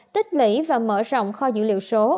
tích lĩ và mở rộng kho dữ liệu số